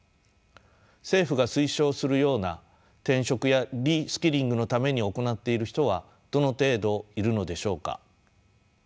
政府が推奨するような転職やリスキリングのために行っている人はどの程度いるのでしょうか。